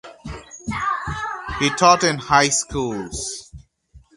He taught in high schools.